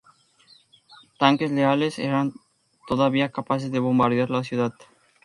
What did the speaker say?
Tanques leales eran todavía capaces de bombardear la ciudad.